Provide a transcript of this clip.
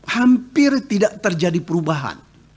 hampir tidak terjadi perubahan